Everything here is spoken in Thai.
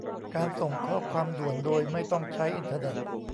การส่งข้อความด่วนโดยไม่ต้องใช้อินเทอร์เน็ต